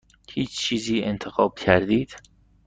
هیچ چیزی انتخاب کردید؟